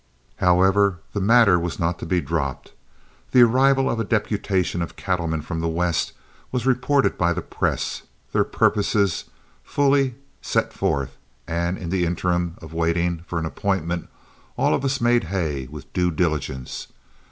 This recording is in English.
However, the matter was not to be dropped. The arrival of a deputation of cattlemen from the West was reported by the press, their purposes fully, set forth, and in the interim of waiting for an appointment, all of us made hay with due diligence.